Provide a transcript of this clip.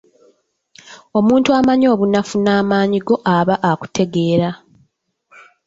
Omuntu amanyi obunafu n’amaanyi go aba akutegeera.